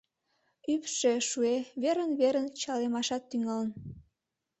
Ӱпшӧ шуэ, верын-верын чалемашат тӱҥалын.